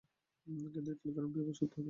কিন্তু, এই টেলিগ্রাম কীভাবে সত্য হতে পারে?